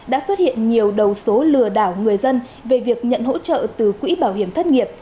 đã xuất hiện nhiều đầu số lừa đảo người dân về việc nhận hỗ trợ từ quỹ bảo hiểm thất nghiệp